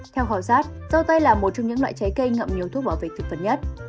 theo khảo sát dâu tây là một trong những loại trái cây ngậm nhiều thuốc bảo vệ thực vật nhất